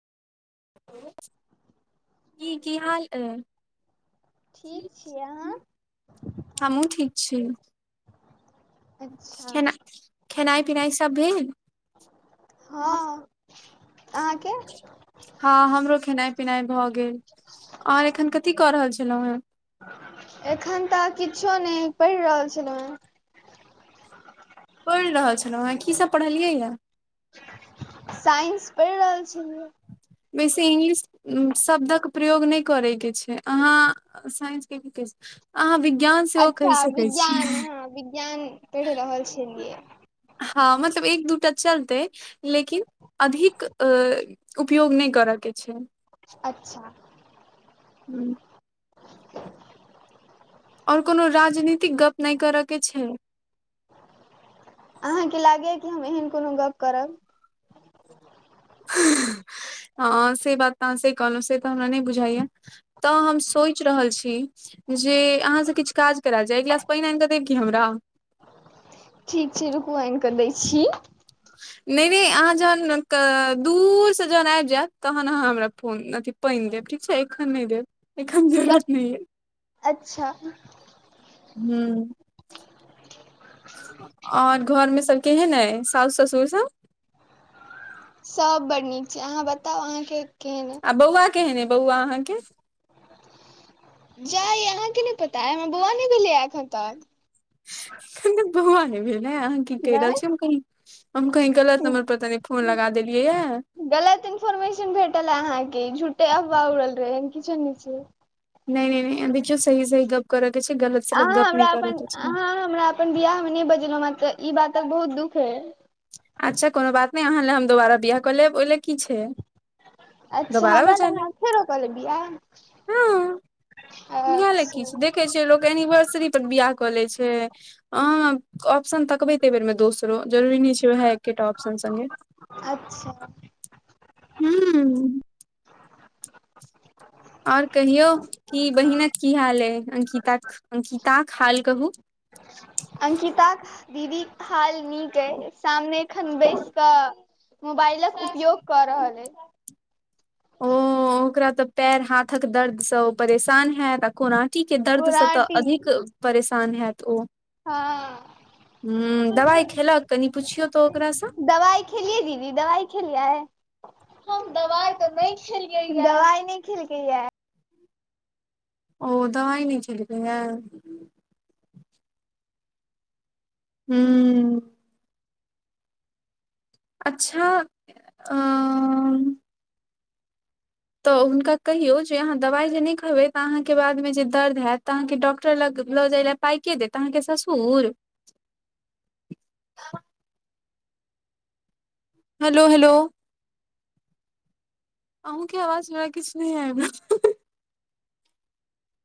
की की हाल अ ठीक छियै अहाँ हमू ठीक छी अच्छा खेनाय खेनाय खेनाइ पिनाइ सब भेल हँ अहाँके हँ हमरो खेनाइ पिनाइ भऽ गेल आर एखन कथी कऽ रहल छलहुँ एखन तऽ किछो नहि पढ़ि रहल छलहुँ हेँ पढ़ि रहल छलहुँ हेँ कीसभ पढ़लियैए हेँ साइंस पढ़ि रहल छी बेसी इंग्लिश शब्दक प्रयोग नहि करयके छै अहाँ साइंसके भी क आ वि अच्छा विज्ञान ह विज्ञान पढ़ि रहल छलीए हँ मतलब एक दूटा चलते लेकिन अधिक उपयोग नहि कर के छै अच्छा ह्म आओर कोनो राजनीतिक गप नहि करयके छै अहाँके लागैए कि हम एहन कोनो गप्प करब ह से बात तऽ अहाँ से कहलहुँ से तऽ हमरा नहि बुझाइया तऽ हम सोचि रहल छी जे अहाँसँ किछु काज कराल जाय एक गिलास पानि आनि कऽ देब कि हमरा [inaudible] ठीक छै रू आइन छीी ह नहि नहि अहाँ जहन दूर से जहन आबि जायत तहन अहाँ हमरा फोन अथी पानि देब ठीक छै एखन नहि देब एखन जरुरत नहि अए अच्छा हुँ आओर घरमे सभ केहन अइ साासु ससुर सभ सभ बड़ नीक छै अहाँ बताउ अहाँके केहन आ अइ बौआ केहन अइ बौआ अहाँके जा ये अहाँके नहि पता है हमर बौआ नहि भेलै एखन तक एखन तक बौआ नै भेल नहि अहाँ की कहि रहल छी नहि हम कही हम कही गलत नम्बर पर तनी फोन लगा देलियै य गलत इन्फोर्मेशन भेटल है अहाँके ई झूठे अफवा उड़ल रहे एहन किछो नै छै नहि नहि नहि देखियो सही सह गप करब अहाँ हमरा अपन अहाँ हमरा अपन बियाह मे नहि ब जेलौ आंहा पर इ बातक बहुत दुःख अए अच्छा कोनो बात नहि अहाँ लए हम दोबारा बिआह कऽ लेब ओहि लए की छै अच्छा दोबारा हमरा बजा लेल लेब अहा फ़ेरो क लेब बियाह नह ले किछु अच्छा देख छिय लोक एनिवर्स स्त्री पर बियाह कऽ ले छै अह ऑप्शन तकबे ते बेर में दोसरो जरूरी नहि छै ओहा एकेटा ऑप्शन से अच्छा हुँ और कहियौ कि बहिनक की हाल है अंकिताक अंकित टा खहाल कहू दीदी हाल नीक अय सामने एखन बैस क मोबाइलक उपयोग क रहले ओ ओकरा तऽ पैर हाथक दर्द से ओ परेशान हयत आ कोनाटी के दर्द से तऽ कोराटी अधिक परेश सन होयत ओ हँ हुँ दवाइ खेलक कनि पुछियो त ओकरा स दवाइ खेलियै दीदी दवाइ खै लिए है हम दबाइ तऽ नहि खेलियै दबाइ नहि खेलके य ओ दवाय नहि देलकै य‌ए हू अच्छा अ तऽ हुनका कहियो जे अहाँ दवाइ जे नहि खेबै तऽ अहाँके बादमे जे दर्द हैत तऽ अहाँके डॉक्टर लग पाई के देत अहाँ के ससुर हेलो हलो अहुके आवाज बड़ा किछु नहि है